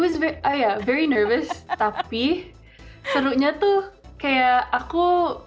ya sangat menarik tapi serunya itu kayak aku